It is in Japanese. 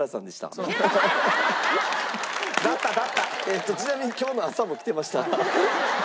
えっとちなみに今日の朝も来て。